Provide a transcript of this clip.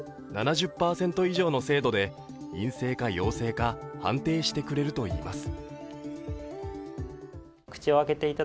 ７０％以上の精度で陰性か陽性か判定してくれるといいます。